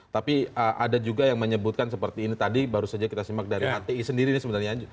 tapi ada juga yang menyebutkan seperti ini tadi baru saja kita simak dari hti sendiri sebenarnya